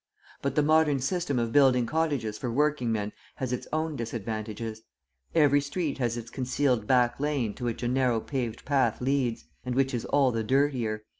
But the modern system of building cottages for working men has its own disadvantages; every street has its concealed back lane to which a narrow paved path leads, and which is all the dirtier.